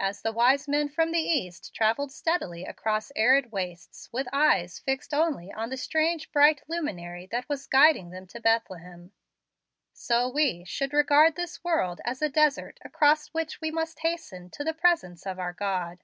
As the wise men from the East travelled steadily across arid wastes with eyes fixed only on the strange bright luminary that was guiding them to Bethlehem, so we should regard this world as a desert across which we must hasten to the presence of our God."